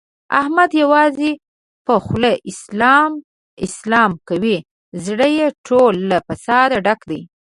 احمد یوازې په خوله اسلام اسلام کوي، زړه یې ټول له فساده ډک دی.